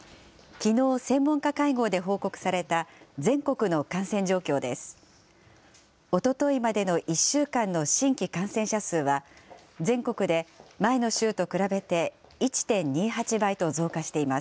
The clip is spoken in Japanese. きのう、専門家会合で報告された、全国の感染状況です。